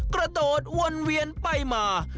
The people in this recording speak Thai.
กระโดดวนเวียนไปมา